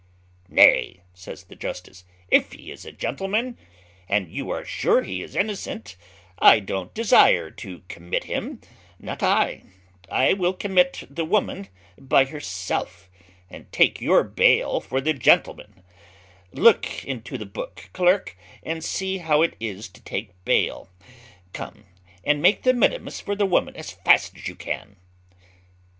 "Nay," says the justice, "if he is a gentleman, and you are sure he is innocent, I don't desire to commit him, not I: I will commit the woman by herself, and take your bail for the gentleman: look into the book, clerk, and see how it is to take bail come and make the mittimus for the woman as fast as you can."